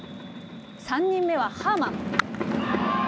３人目はハーマン。